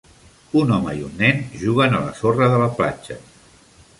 Un home i un nen juguen a la sorra de la platja.